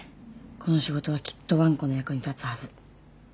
この仕事はきっとわんこの役に立つはず。